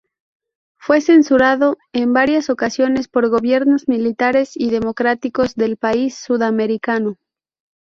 Fue censurado en varias ocasiones por gobiernos militares y democráticos del país sudamericano.